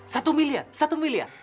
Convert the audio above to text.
satu miliar satu miliar